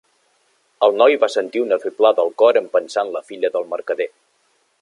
El noi va sentir una fiblada al cor en pensar en la filla del mercader.